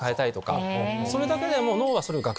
それだけでも。